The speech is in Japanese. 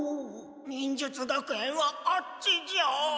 忍術学園はあっちじゃ。